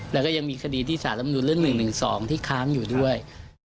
แล้วก็ยังมีคดีที่สารรัฐมนุนเรื่อง๑๑๒ที่ค้างอยู่ด้วย